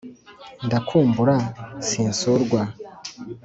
ndakumbura sinsurwa